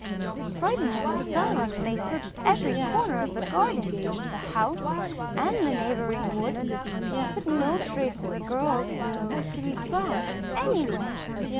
Frightened at the silence, they searched every corner of the garden, the house, and the neighbouring wood, but no trace of the girls was to be found anywhere.